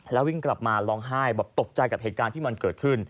แล้ววิ่งกลับมาร้องไห้บอกตกใจกับเหตุการณ์ที่มันเกิดขึ้น